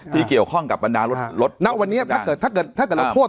ที่เกี่ยวข้องกับบรรดารถรถณวันนี้ถ้าเกิดถ้าเกิดถ้าเกิดถ้าเกิดเราโทษ